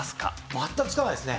全くつかないですね。